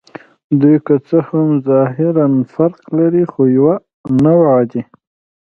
دوی که څه هم ظاهراً فرق لري، خو یوه نوعه دي.